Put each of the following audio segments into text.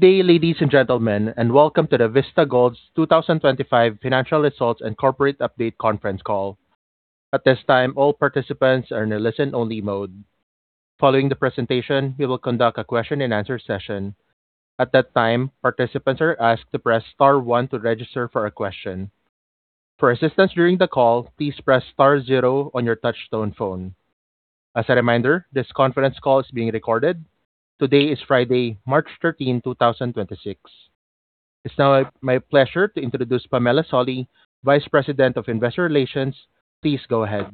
Good day, ladies and gentlemen, and welcome to the Vista Gold's 2025 Financial Results and Corporate Update Conference Call. At this time, all participants are in a listen-only mode. Following the presentation, we will conduct a question and answer session. At that time, participants are asked to press star one to register for a question. For assistance during the call, please press star zero on your touchtone phone. As a reminder, this conference call is being recorded. Today is Friday, March 13, 2026. It's now my pleasure to introduce Pamela Solly, Vice President of Investor Relations. Please go ahead.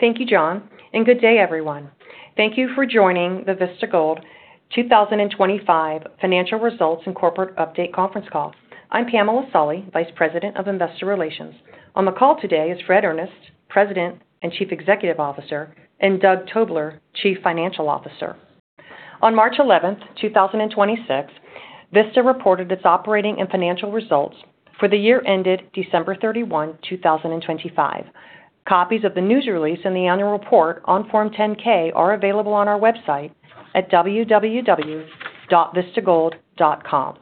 Thank you, John, and good day, everyone. Thank you for joining the Vista Gold 2025 Financial Results and Corporate Update Conference Call. I'm Pamela Solly, Vice President of Investor Relations. On the call today is Fred Earnest, President and Chief Executive Officer, and Doug Tobler, Chief Financial Officer. On March 11th, 2026, Vista reported its operating and financial results for the year ended December 31, 2025. Copies of the news release and the annual report on Form 10-K are available on our website at www.vistagold.com.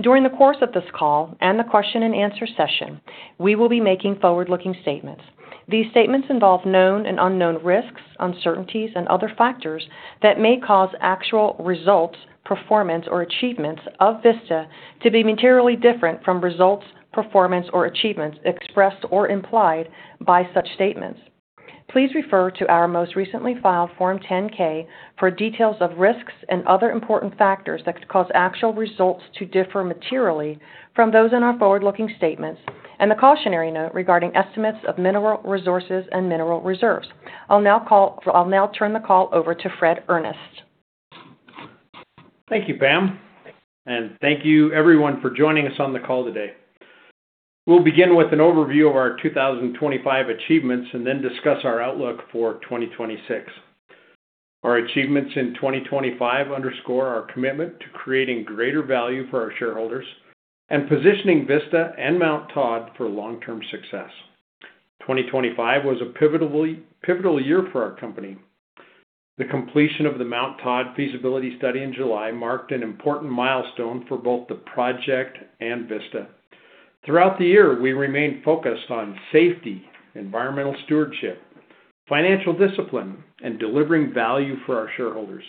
During the course of this call and the question and answer session, we will be making forward-looking statements. These statements involve known and unknown risks, uncertainties and other factors that may cause actual results, performance or achievements of Vista to be materially different from results, performance or achievements expressed or implied by such statements. Please refer to our most recently filed Form 10-K for details of risks and other important factors that could cause actual results to differ materially from those in our forward-looking statements and the cautionary note regarding estimates of mineral resources and mineral reserves. I'll now turn the call over to Fred Earnest. Thank you, Pam. Thank you everyone for joining us on the call today. We'll begin with an overview of our 2025 achievements and then discuss our outlook for 2026. Our achievements in 2025 underscore our commitment to creating greater value for our shareholders and positioning Vista and Mt Todd for long term success. 2025 was a pivotal year for our company. The completion of the Mt Todd feasibility study in July marked an important milestone for both the project and Vista. Throughout the year, we remained focused on safety, environmental stewardship, financial discipline and delivering value for our shareholders.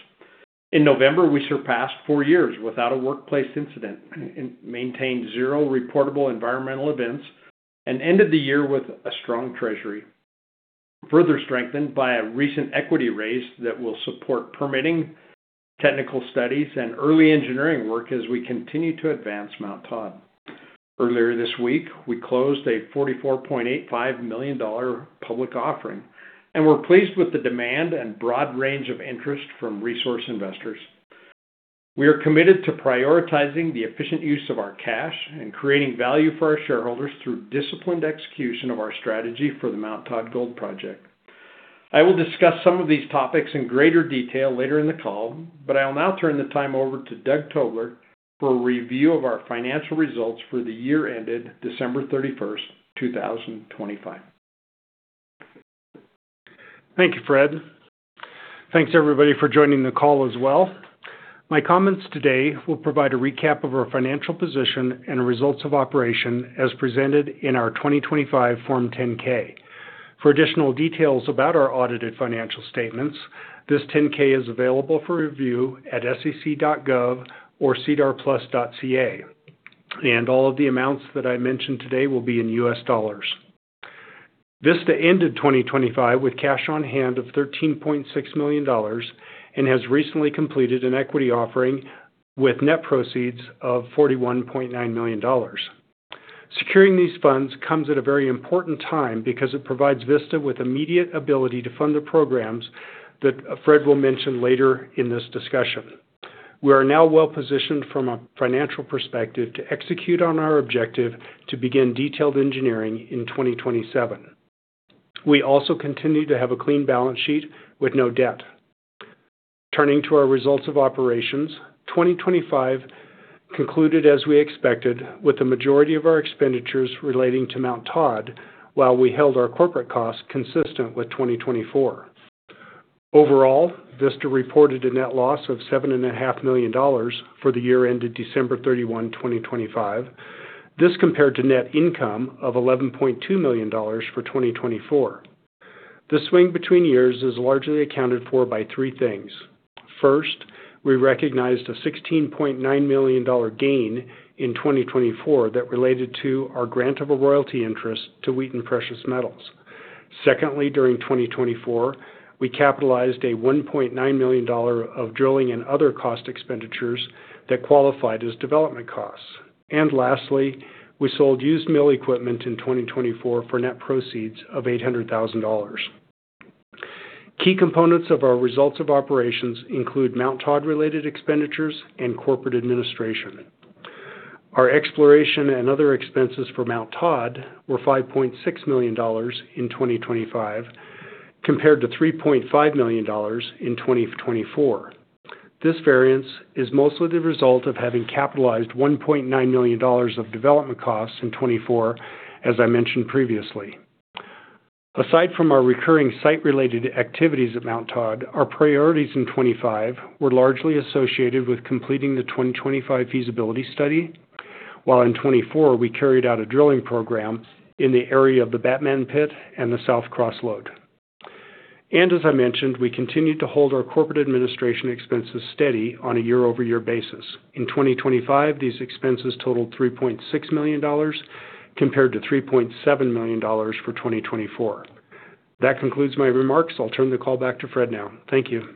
In November, we surpassed four years without a workplace incident and maintained zero reportable environmental events and ended the year with a strong treasury, further strengthened by a recent equity raise that will support permitting, technical studies and early engineering work as we continue to advance Mt Todd. Earlier this week, we closed a $44.85 million public offering, and we're pleased with the demand and broad range of interest from resource investors. We are committed to prioritizing the efficient use of our cash and creating value for our shareholders through disciplined execution of our strategy for the Mt Todd Gold Project. I will discuss some of these topics in greater detail later in the call, but I will now turn the time over to Doug Tobler for a review of our financial results for the year ended December 31st, 2025. Thank you, Fred. Thanks everybody for joining the call as well. My comments today will provide a recap of our financial position and results of operations as presented in our 2025 Form 10-K. For additional details about our audited financial statements, this 10-K is available for review at sec.gov or sedarplus.ca. All of the amounts that I mention today will be in U.S. dollars. Vista ended 2025 with cash on hand of $13.6 million and has recently completed an equity offering with net proceeds of $41.9 million. Securing these funds comes at a very important time because it provides Vista with immediate ability to fund the programs that Fred will mention later in this discussion. We are now well positioned from a financial perspective to execute on our objective to begin detailed engineering in 2027. We also continue to have a clean balance sheet with no debt. Turning to our results of operations, 2025 concluded as we expected, with the majority of our expenditures relating to Mt Todd while we held our corporate costs consistent with 2024. Overall, Vista reported a net loss of $7.5 million for the year ended December 31, 2025. This compared to net income of $11.2 million for 2024. The swing between years is largely accounted for by three things. First, we recognized a $16.9 million gain in 2024 that related to our grant of a royalty interest to Wheaton Precious Metals. Secondly, during 2024, we capitalized $1.9 million of drilling and other cost expenditures that qualified as development costs. Lastly, we sold used mill equipment in 2024 for net proceeds of $800,000. Key components of our results of operations include Mt Todd related expenditures and corporate administration. Our exploration and other expenses for Mt Todd were $5.6 million in 2025, compared to $3.5 million in 2024. This variance is mostly the result of having capitalized $1.9 million of development costs in 2024, as I mentioned previously. Aside from our recurring site related activities at Mt Todd, our priorities in 2025 were largely associated with completing the 2025 feasibility study, while in 2024 we carried out a drilling program in the area of the Batman pit and the South Cross Lode. As I mentioned, we continued to hold our corporate administration expenses steady on a year-over-year basis. In 2025, these expenses totaled $3.6 million compared to $3.7 million for 2024. That concludes my remarks. I'll turn the call back to Fred now. Thank you.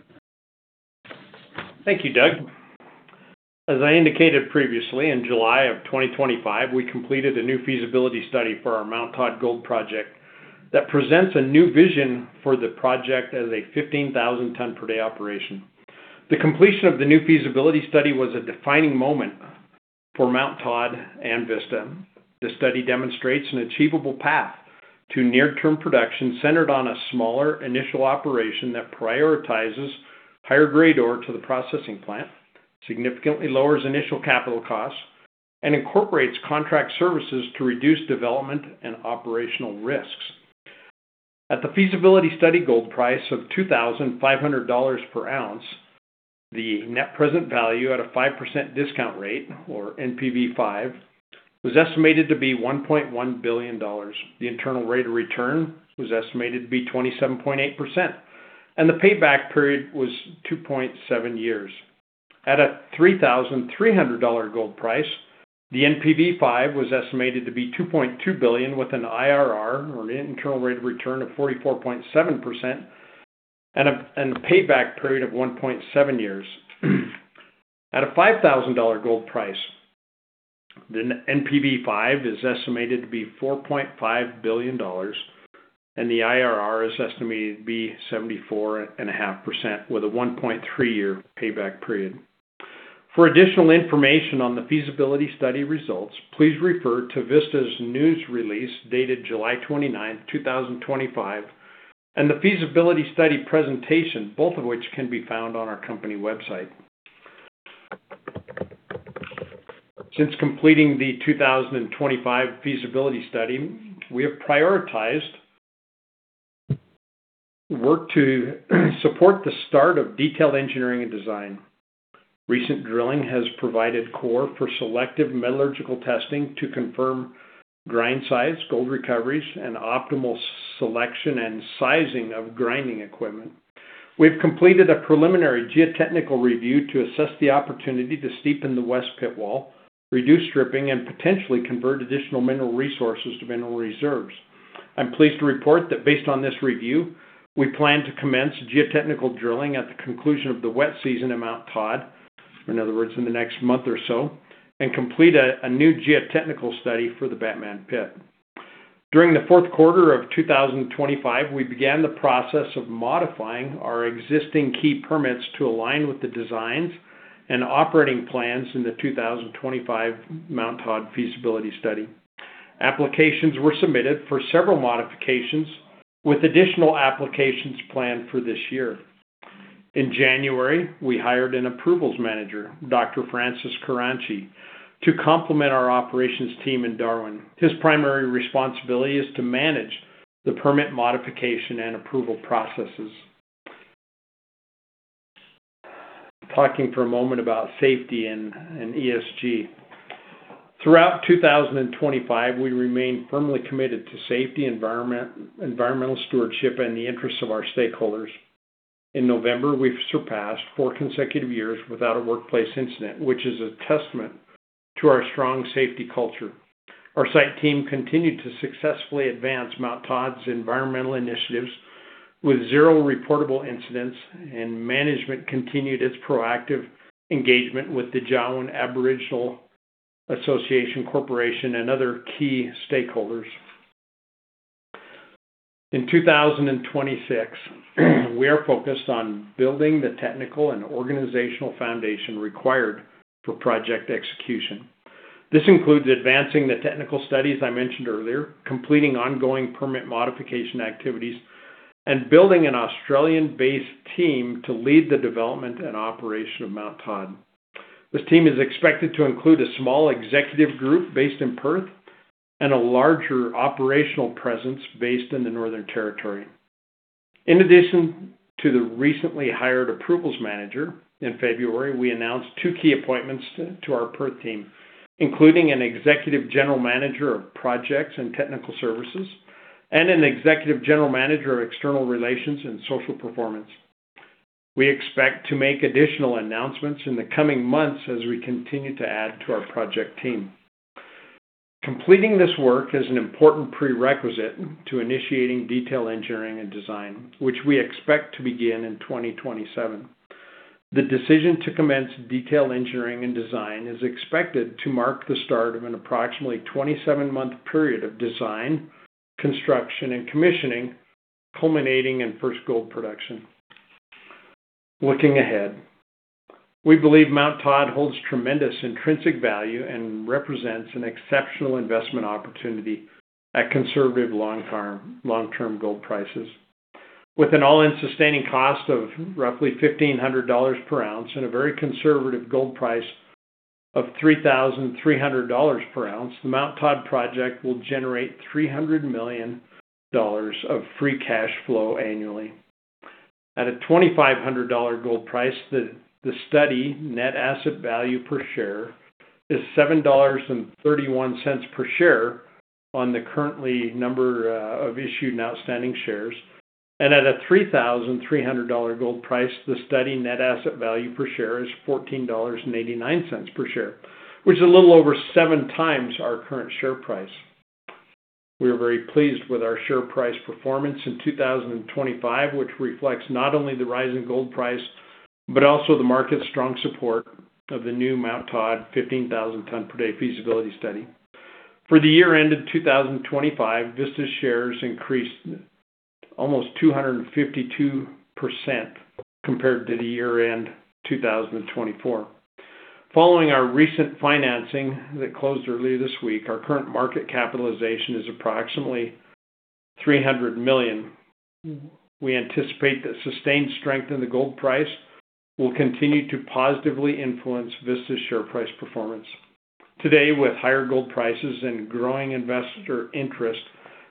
Thank you, Doug. As I indicated previously, in July of 2025, we completed a new feasibility study for our Mt Todd gold project that presents a new vision for the project as a 15,000 tons per day operation. The completion of the new feasibility study was a defining moment for Mt Todd and Vista. The study demonstrates an achievable path to near-term production centered on a smaller initial operation that prioritizes higher grade ore to the processing plant, significantly lowers initial capital costs, and incorporates contract services to reduce development and operational risks. At the feasibility study gold price of $2,500/oz, the net present value at a 5% discount rate or NPV 5 was estimated to be $1.1 billion. The internal rate of return was estimated to be 27.8% and the payback period was 2.7 years. At a $3,300 gold price, the NPV 5 was estimated to be $2.2 billion with an IRR or internal rate of return of 44.7% and a payback period of 1.7 years. At a $5,000 gold price, the NPV 5 is estimated to be $4.5 billion and the IRR is estimated to be 74.5% with a 1.3-year payback period. For additional information on the feasibility study results, please refer to Vista's news release dated July 29th, 2025, and the feasibility study presentation, both of which can be found on our company website. Since completing the 2025 feasibility study, we have prioritized work to support the start of detailed engineering and design. Recent drilling has provided core for selective metallurgical testing to confirm grind size, gold recoveries and optimal selection and sizing of grinding equipment. We've completed a preliminary geotechnical review to assess the opportunity to steepen the west pit wall, reduce stripping and potentially convert additional mineral resources to mineral reserves. I'm pleased to report that based on this review, we plan to commence geotechnical drilling at the conclusion of the wet season at Mt Todd, or in other words, in the next month or so, and complete a new geotechnical study for the Batman pit. During the fourth quarter of 2025, we began the process of modifying our existing key permits to align with the designs and operating plans in the 2025 Mt Todd feasibility study. Applications were submitted for several modifications with additional applications planned for this year. In January, we hired an approvals manager, Dr. Francis Kuranchie, to complement our operations team in Darwin. His primary responsibility is to manage the permit modification and approval processes. Talking for a moment about safety and ESG. Throughout 2025, we remained firmly committed to safety, environment, environmental stewardship and the interests of our stakeholders. In November, we've surpassed four consecutive years without a workplace incident, which is a testament to our strong safety culture. Our site team continued to successfully advance Mt Todd's environmental initiatives with zero reportable incidents and management continued its proactive engagement with the Jawoyn Association Aboriginal Corporation and other key stakeholders. In 2026, we are focused on building the technical and organizational foundation required for project execution. This includes advancing the technical studies I mentioned earlier, completing ongoing permit modification activities, and building an Australian-based team to lead the development and operation of Mt Todd. This team is expected to include a small executive group based in Perth and a larger operational presence based in the Northern Territory. In addition to the recently hired approvals manager, in February we announced two key appointments to our Perth team, including an Executive General Manager of Projects and Technical Services and an Executive General Manager of External Relations and Social Performance. We expect to make additional announcements in the coming months as we continue to add to our project team. Completing this work is an important prerequisite to initiating detail engineering and design, which we expect to begin in 2027. The decision to commence detail engineering and design is expected to mark the start of an approximately 27-month period of design, construction and commissioning, culminating in first gold production. Looking ahead, we believe Mt Todd holds tremendous intrinsic value and represents an exceptional investment opportunity at conservative long-term gold prices. With an all-in sustaining cost of roughly $1,500/oz and a very conservative gold price of $3,300/oz, the Mt Todd project will generate $300 million of free cash flow annually. At a $2,500 gold price, the study net asset value per share is $7.31 per share on the current number of issued and outstanding shares. At a $3,300 gold price, the study net asset value per share is $14.89 per share, which is a little over 7x our current share price. We are very pleased with our share price performance in 2025, which reflects not only the rise in gold price, but also the market's strong support of the new Mt Todd 15,000 ton per day feasibility study. For the year ended 2025, Vista shares increased almost 252% compared to the year-end 2024. Following our recent financing that closed earlier this week, our current market capitalization is approximately $300 million. We anticipate the sustained strength in the gold price will continue to positively influence Vista's share price performance. Today, with higher gold prices and growing investor interest,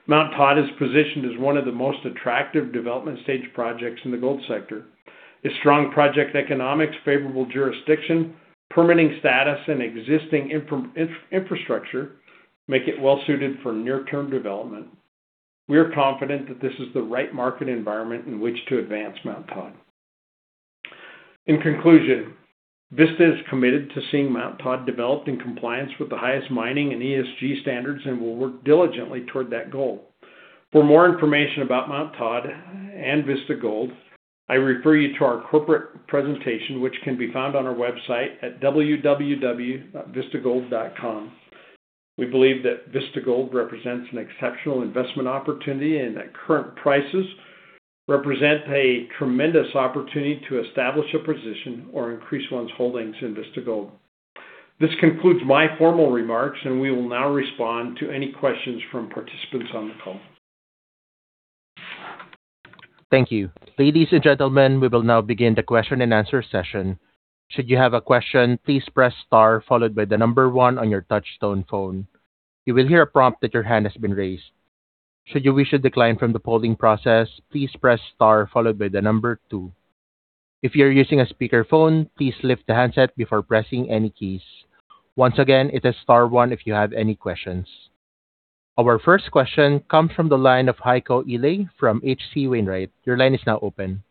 Mt Todd is positioned as one of the most attractive development stage projects in the gold sector. Its strong project economics, favorable jurisdiction, permitting status and existing infrastructure make it well suited for near-term development. We are confident that this is the right market environment in which to advance Mt Todd. In conclusion, Vista is committed to seeing Mt Todd developed in compliance with the highest mining and ESG standards, and will work diligently toward that goal. For more information about Mt Todd and Vista Gold, I refer you to our corporate presentation, which can be found on our website at www.vistagold.com. We believe that Vista Gold represents an exceptional investment opportunity and that current prices represent a tremendous opportunity to establish a position or increase one's holdings in Vista Gold. This concludes my formal remarks, and we will now respond to any questions from participants on the call. Thank you. Ladies and gentlemen, we will now begin the question-and-answer session. Should you have a question, please press star followed by the number one on your touch tone phone. You will hear a prompt that your hand has been raised. Should you wish to decline from the polling process, please press star followed by the number two. If you're using a speakerphone, please lift the handset before pressing any keys. Once again, it is star one if you have any questions. Our first question comes from the line of Heiko Ihle from H.C. Wainwright. Your line is now open.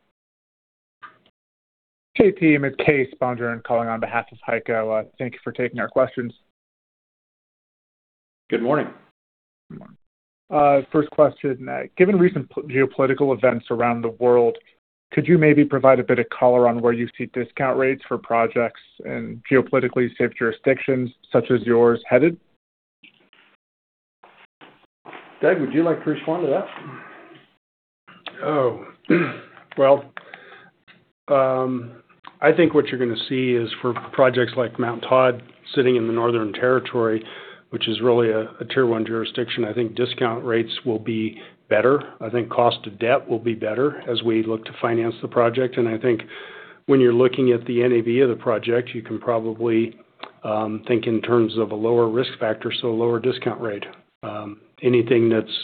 Hey, team. It's [Kay Sponger] calling on behalf of Heiko. Thank you for taking our questions. Good morning. Good morning. First question. Given recent geopolitical events around the world, could you maybe provide a bit of color on where you see discount rates for projects in geopolitically safe jurisdictions such as yours headed? Doug, would you like to respond to that? I think what you're going to see is for projects like Mt Todd sitting in the Northern Territory, which is really a Tier 1 jurisdiction. I think discount rates will be better. I think cost of debt will be better as we look to finance the project. I think when you're looking at the NAV of the project, you can probably think in terms of a lower risk factor, so a lower discount rate. Anything that's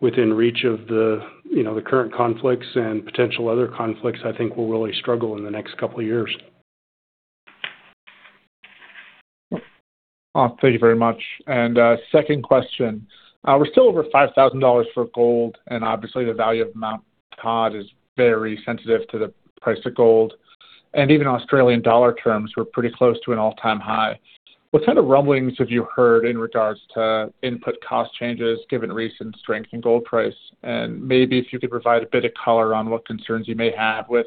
within reach of the you know the current conflicts and potential other conflicts, I think will really struggle in the next couple of years. Thank you very much. Second question. We're still over $5,000 for gold, and obviously the value of Mt Todd is very sensitive to the price of gold. Even Australian dollar terms were pretty close to an all-time high. What kind of rumblings have you heard in regards to input cost changes given recent strength in gold price? Maybe if you could provide a bit of color on what concerns you may have with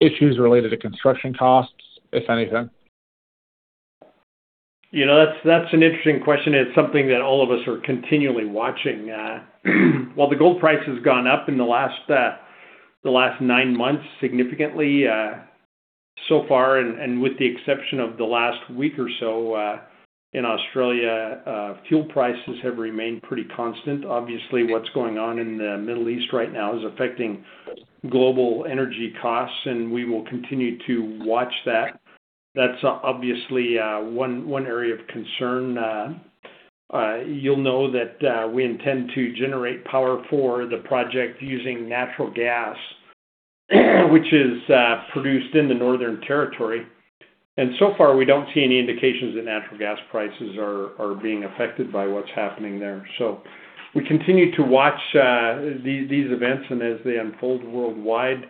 issues related to construction costs, if anything? You know, that's an interesting question. It's something that all of us are continually watching. Well, the gold price has gone up in the last nine months, significantly, so far, and with the exception of the last week or so, in Australia, fuel prices have remained pretty constant. Obviously, what's going on in the Middle East right now is affecting global energy costs, and we will continue to watch that. That's obviously one area of concern. You'll know that we intend to generate power for the project using natural gas, which is produced in the Northern Territory. So far, we don't see any indications that natural gas prices are being affected by what's happening there. We continue to watch these events and as they unfold worldwide.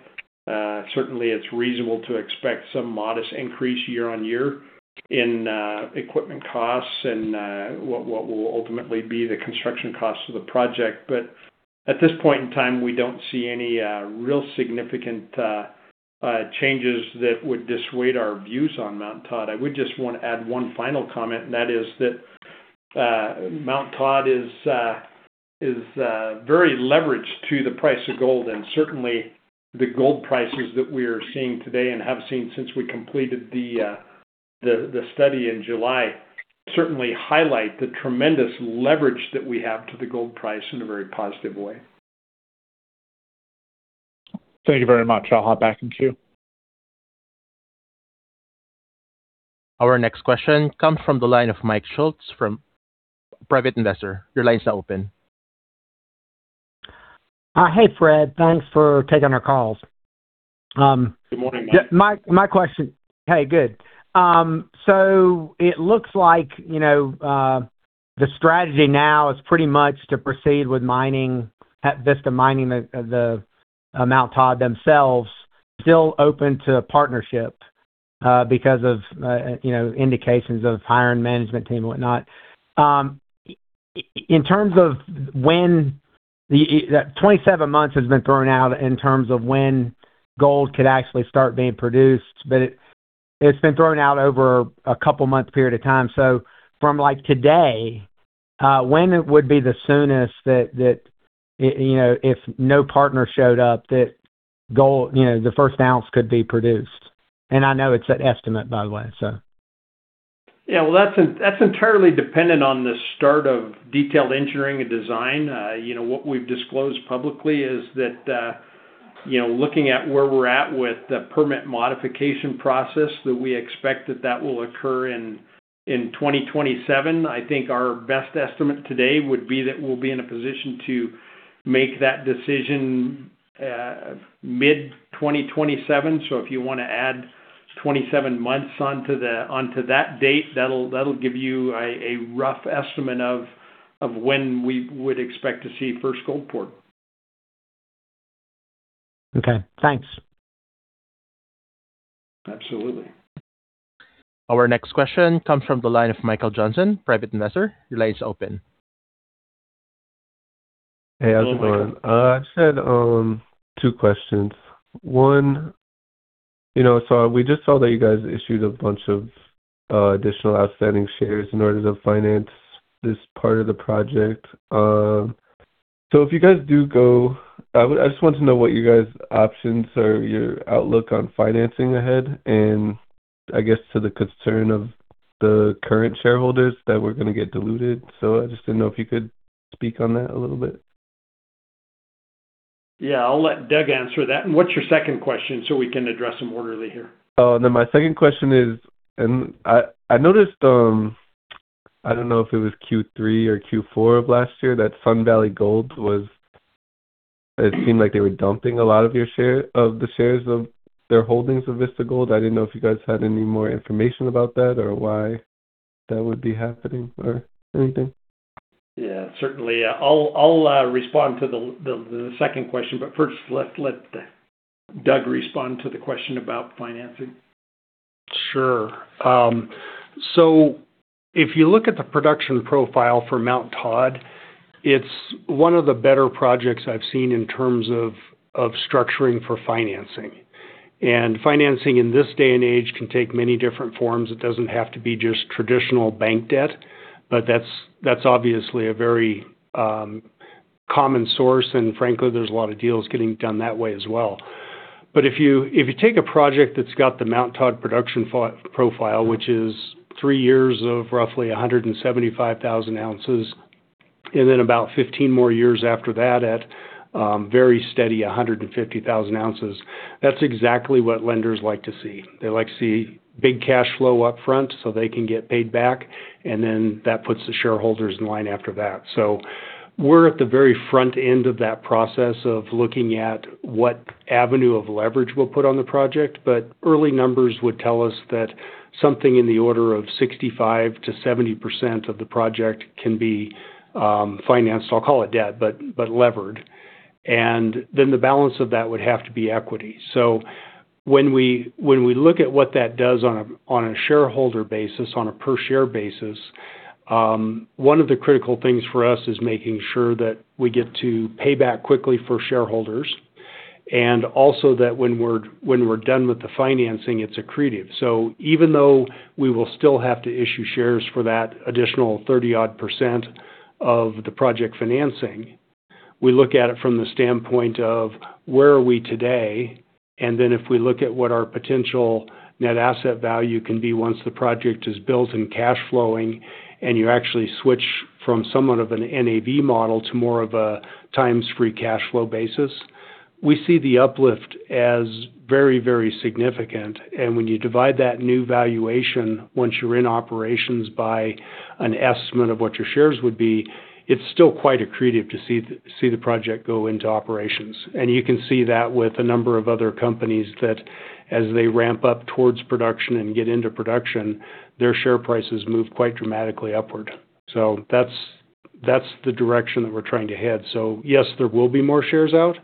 Certainly it's reasonable to expect some modest increase year-on-year in equipment costs and what will ultimately be the construction cost of the project. At this point in time, we don't see any real significant changes that would dissuade our views on Mt Todd. I would just want to add one final comment, and that is that Mt Todd is very leveraged to the price of gold. Certainly the gold prices that we're seeing today and have seen since we completed the study in July certainly highlight the tremendous leverage that we have to the gold price in a very positive way. Thank you very much. I'll hop back in queue. Our next question comes from the line of Mike Schultz from Private Investor. Your line is now open. Hey, Fred. Thanks for taking our calls. Good morning, Mike. My question. So it looks like, you know, the strategy now is pretty much to proceed with mining at Vista, at Mt Todd themselves still open to partnership because of, you know, indications of hiring management team and whatnot. In terms of when the 27 months has been thrown out in terms of when gold could actually start being produced, but it's been thrown out over a couple month period of time. From like today, when it would be the soonest that you know, if no partner showed up, that gold, you know, the first ounce could be produced. I know it's an estimate, by the way, so. Yeah, well, that's entirely dependent on the start of detailed engineering and design. You know, what we've disclosed publicly is that, you know, looking at where we're at with the permit modification process, that we expect that will occur in 2027. I think our best estimate today would be that we'll be in a position to make that decision, mid-2027. If you want to add 27 months onto that date, that'll give you a rough estimate of when we would expect to see first gold pour. Okay, thanks. Absolutely. Our next question comes from the line of Michael Johnson, Private Investor. Your line is open. Hey, how's it going? Good morning. I just had two questions. One, you know, we just saw that you guys issued a bunch of additional outstanding shares in order to finance this part of the project. If you guys do go, I just want to know what your options or your outlook on financing ahead and I guess to the concern of the current shareholders that we're going to get diluted. I just didn't know if you could speak on that a little bit. Yeah. I'll let Doug answer that. What's your second question so we can address them orderly here? My second question is, I noticed I don't know if it was Q3 or Q4 of last year that Sun Valley Gold was it seemed like they were dumping a lot of your share, of the shares of their holdings of Vista Gold. I didn't know if you guys had any more information about that or why that would be happening or anything. Yeah, certainly. I'll respond to the second question, but first let Doug respond to the question about financing. Sure. If you look at the production profile for Mt Todd, it's one of the better projects I've seen in terms of of structuring for financing. Financing in this day and age can take many different forms. It doesn't have to be just traditional bank debt, but that's obviously a very common source. Frankly, there's a lot of deals getting done that way as well. If you take a project that's got the Mt Todd production profile, which is three years of roughly 175,000 oz, and then about 15 more years after that at very steady 150,000 oz. That's exactly what lenders like to see. They like to see big cash flow up front so they can get paid back, and then that puts the shareholders in line after that. We're at the very front end of that process of looking at what avenue of leverage we'll put on the project. Early numbers would tell us that something in the order of 65%-70% of the project can be financed. I'll call it debt, but levered. The balance of that would have to be equity. When we look at what that does on a shareholder basis, on a per share basis, one of the critical things for us is making sure that we get to pay back quickly for shareholders. Also that when we're done with the financing, it's accretive. Even though we will still have to issue shares for that additional 30 odd percent of the project financing, we look at it from the standpoint of where are we today? Then if we look at what our potential net asset value can be once the project is built and cash flowing, and you actually switch from somewhat of an NAV model to more of a times free cash flow basis, we see the uplift as very, very significant. When you divide that new valuation, once you're in operations, by an estimate of what your shares would be, it's still quite accretive to see the project go into operations. You can see that with a number of other companies that as they ramp up towards production and get into production, their share prices move quite dramatically upward. That's the direction that we're trying to head. Yes, there will be more shares out,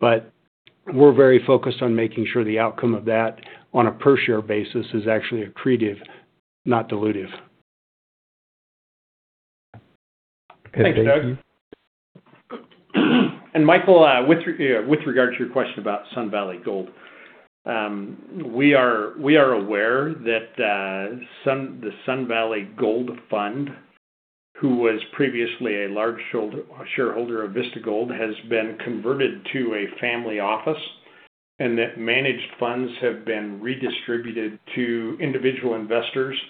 but we're very focused on making sure the outcome of that on a per share basis is actually accretive, not dilutive. Thanks, Doug. Michael, with regards to your question about Sun Valley Gold, we are aware that the Sun Valley Gold Fund, who was previously a large shareholder of Vista Gold, has been converted to a family office, and that managed funds have been redistributed to individual investors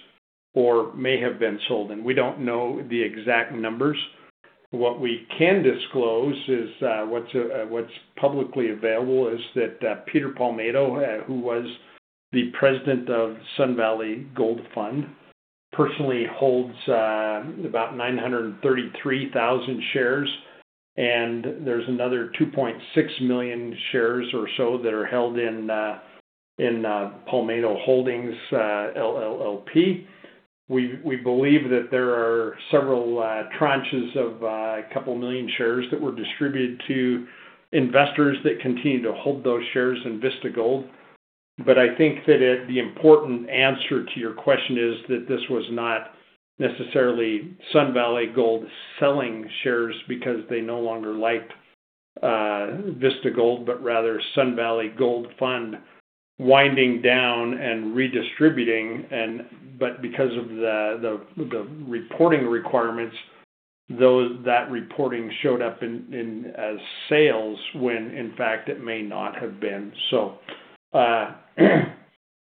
or may have been sold. We don't know the exact numbers. What we can disclose is what's publicly available is that Peter Palmedo, who was the president of Sun Valley Gold Fund, personally holds about 933,000 shares. There's another 2.6 million shares or so that are held in Palmedo Holdings LLLP. We believe that there are several tranches of a couple million shares that were distributed to investors that continue to hold those shares in Vista Gold. I think that it the important answer to your question is that this was not necessarily Sun Valley Gold selling shares because they no longer liked Vista Gold, but rather Sun Valley Gold Fund winding down and redistributing, but because of the reporting requirements, that reporting showed up in as sales when in fact it may not have been so.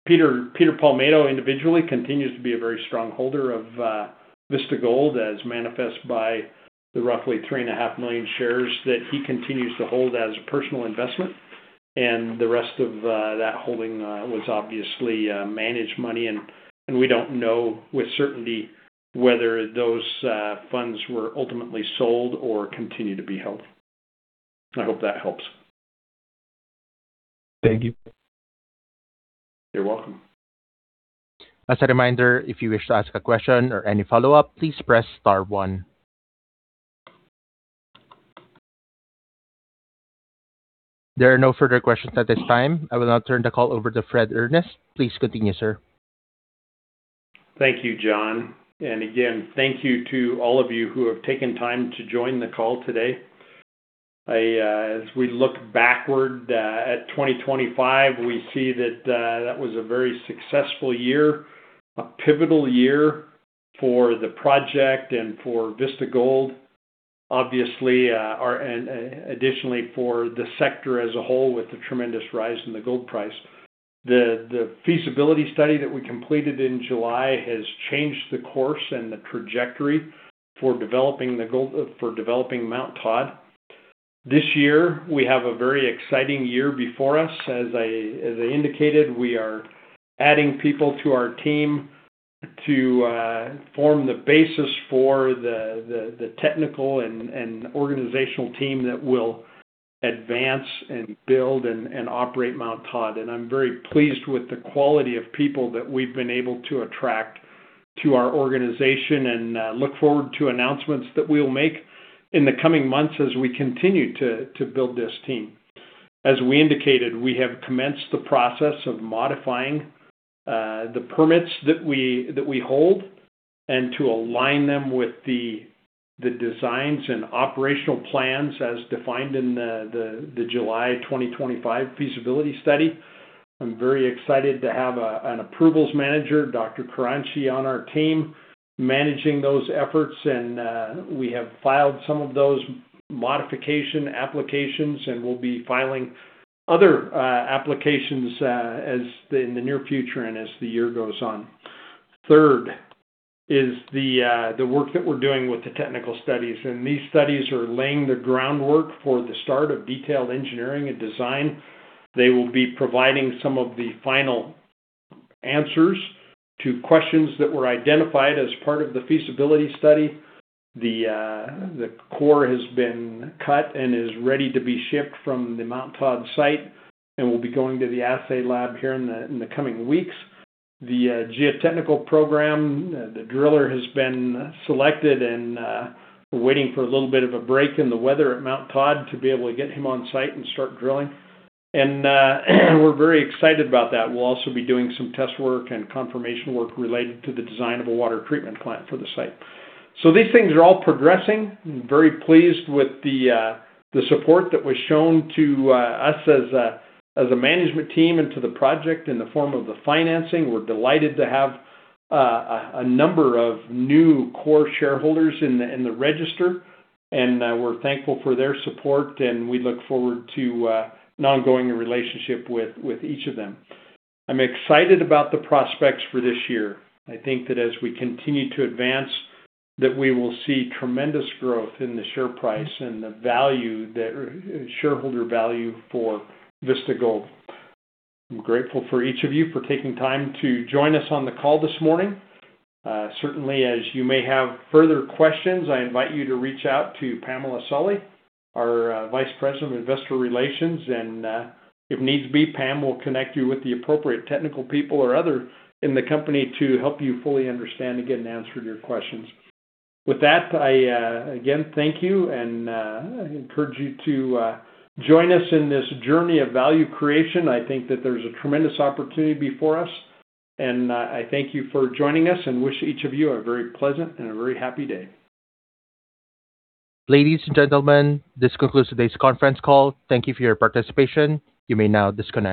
Peter Palmedo individually continues to be a very strong holder of Vista Gold as manifest by the roughly 3.5 million shares that he continues to hold as a personal investment. The rest of that holding was obviously managed money and we don't know with certainty whether those funds were ultimately sold or continue to be held. I hope that helps. Thank you. You're welcome. As a reminder, if you wish to ask a question or any follow-up, please press star one. There are no further questions at this time. I will now turn the call over to Fred Earnest. Please continue, sir. Thank you, John. Again, thank you to all of you who have taken time to join the call today. I, as we look backward at 2025, we see that that was a very successful year, a pivotal year for the project and for Vista Gold. Obviously, and additionally for the sector as a whole with the tremendous rise in the gold price. The feasibility study that we completed in July has changed the course and the trajectory for developing the gold, for developing Mt Todd. This year, we have a very exciting year before us. As I indicated, we are adding people to our team to form the basis for the technical and organizational team that will advance and build and operate Mt Todd. I'm very pleased with the quality of people that we've been able to attract to our organization and look forward to announcements that we'll make in the coming months as we continue to build this team. As we indicated, we have commenced the process of modifying the permits that we hold and to align them with the designs and operational plans as defined in the July 2025 feasibility study. I'm very excited to have an approvals manager, Dr. Kuranchie, on our team managing those efforts and we have filed some of those modification applications, and we'll be filing other applications in the near future and as the year goes on. Third is the work that we're doing with the technical studies. These studies are laying the groundwork for the start of detailed engineering and design. They will be providing some of the final answers to questions that were identified as part of the feasibility study. The core has been cut and is ready to be shipped from the Mt Todd site, and we'll be going to the assay lab here in the coming weeks. The geotechnical program, the driller has been selected and we're waiting for a little bit of a break in the weather at Mt Todd to be able to get him on site and start drilling. We're very excited about that. We'll also be doing some test work and confirmation work related to the design of a water treatment plant for the site. These things are all progressing. I'm very pleased with the support that was shown to us as a management team and to the project in the form of the financing. We're delighted to have a number of new core shareholders in the register, and we're thankful for their support, and we look forward to an ongoing relationship with each of them. I'm excited about the prospects for this year. I think that as we continue to advance, that we will see tremendous growth in the share price and shareholder value for Vista Gold. I'm grateful for each of you for taking time to join us on the call this morning. Certainly, as you may have further questions, I invite you to reach out to Pamela Solly, our Vice President of Investor Relations. If needs be, Pam will connect you with the appropriate technical people or other in the company to help you fully understand and get an answer to your questions. With that, I again thank you and I encourage you to join us in this journey of value creation. I think that there's a tremendous opportunity before us. I thank you for joining us and wish each of you a very pleasant and a very happy day. Ladies and gentlemen, this concludes today's conference call. Thank you for your participation. You may now disconnect.